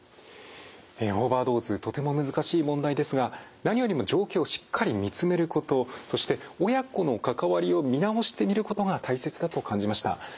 オーバードーズとても難しい問題ですが何よりも状況をしっかり見つめることそして親子の関わりを見直してみることが大切だと感じました。